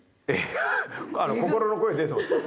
心の声出てますよ。